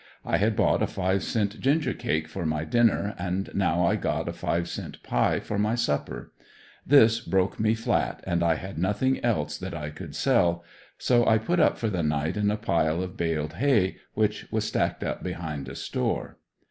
I had bought a five cent ginger cake for my dinner and now I got a five cent pie for my supper; this broke me flat and I had nothing else that I could sell; so I put up for the night in a pile of bailed hay, which was stacked up behind a store.